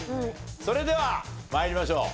それでは参りましょう。